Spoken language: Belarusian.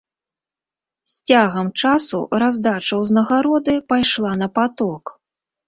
З цягам часу раздача ўзнагароды пайшла на паток.